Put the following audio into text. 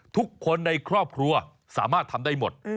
ทุกคนในครอบครัวสามารถทำได้หมด